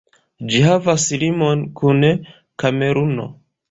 Ĝi havas limon kun Kameruno.